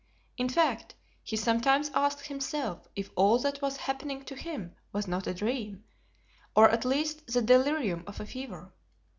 In fact, he sometimes asked himself if all that was happening to him was not a dream, or at least the delirium of a fever.